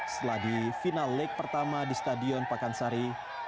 setelah di final league pertama di stadion pakansari